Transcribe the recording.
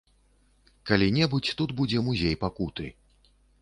Калі-небудзь тут будзе музей пакуты.